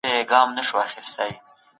تاریخي پېښې باید په بې طرفۍ وڅېړل سي.